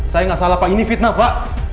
saya nggak salah pak ini fitnah pak